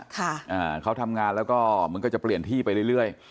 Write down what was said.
ค่ะอ่าเขาทำงานแล้วก็มันก็จะเปลี่ยนที่ไปเรื่อยเรื่อย